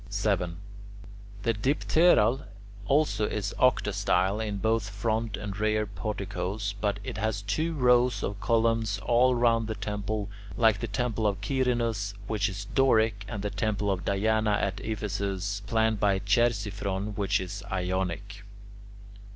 7. The dipteral also is octastyle in both front and rear porticoes, but it has two rows of columns all round the temple, like the temple of Quirinus, which is Doric, and the temple of Diana at Ephesus, planned by Chersiphron, which is Ionic.